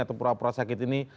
atau perwakilan sakit ini